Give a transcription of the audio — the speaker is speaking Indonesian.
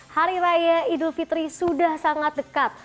hari raya idul fitri sudah sangat dekat